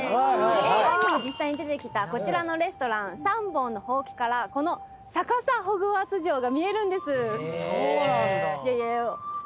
映画にも実際に出てきたこちらのレストラン三本の箒から逆さホグワーツ城が見えるんです」